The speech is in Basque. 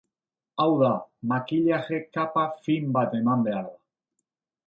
Hau da, makillaje kapa fin bat eman behar da.